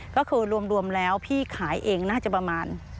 ก็คือรวมแล้วพี่ขายเองน่าจะประมาณ